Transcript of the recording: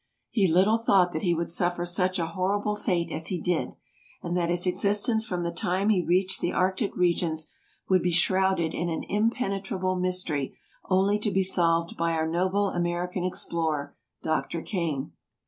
He little thought that he would suffer such a horrible fate as he did, and that his existence from the time he reached the Arctic regions would be shrouded in an impenetrable mystery only to be solved by our noble American explorer, Dr. Kane.